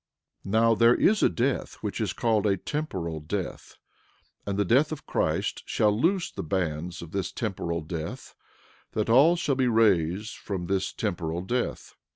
11:42 Now, there is a death which is called a temporal death; and the death of Christ shall loose the bands of this temporal death, that all shall be raised from this temporal death.